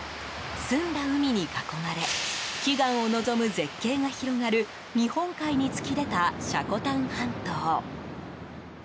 澄んだ海に囲まれ奇岩を望む絶景が広がる日本海に突き出た積丹半島。